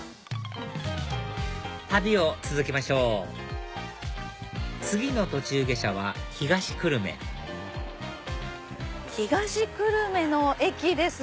旅を続けましょう次の途中下車は東久留米東久留米の駅ですね。